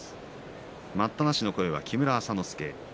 待ったなしの声は木村朝之助。